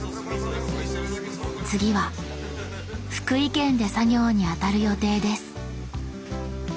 次は福井県で作業に当たる予定です。